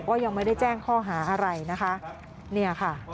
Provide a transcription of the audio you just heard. ก็ยังไม่ได้แจ้งข้อหาอะไรนะคะ